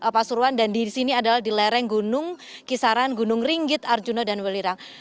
pasuruan dan di sini adalah di lereng gunung kisaran gunung ringgit arjuna dan welirang